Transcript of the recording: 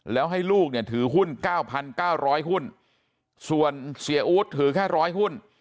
แล้วให้ลูกเนี่ยถือหุ้น๙๙๐๐หุ้นส่วนเสียอู๊ดถือแค่๑๐๐หุ้น